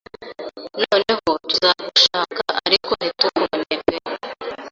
Noneho tuzagushaka ariko ntitukubone pe